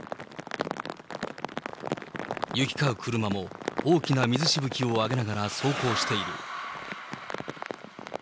行き交う車も大きな水しぶきを上げながら走行している。